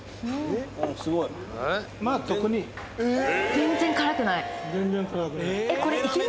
全然辛くない？